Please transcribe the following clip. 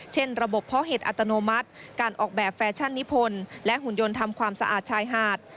เช่นระบบเพาะเห็ดอัตโนมัติการออกแบบแฟชั่นนิพนธ์และหุ่นยนต์ทำความสะอาดชายหาด